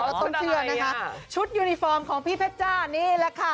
ต้องเชื่อนะคะชุดยูนิฟอร์มของพี่เพชรจ้านี่แหละค่ะ